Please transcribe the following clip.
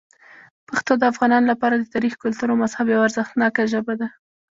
پښتو د افغانانو لپاره د تاریخ، کلتور او مذهب یوه ارزښتناک ژبه ده.